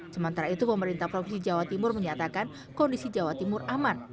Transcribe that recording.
sementara itu pemerintah provinsi jawa timur menyatakan kondisi jawa timur aman